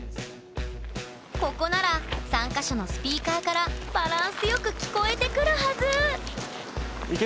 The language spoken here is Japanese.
ここなら３か所のスピーカーからバランスよく聞こえてくるはず！